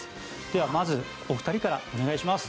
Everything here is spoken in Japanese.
ではまず、お二人からお願いします。